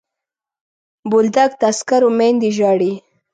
بولدک د عسکرو میندې ژاړي.